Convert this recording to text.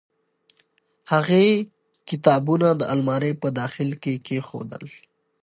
هغې کتابونه د المارۍ په داخل کې کېښودل.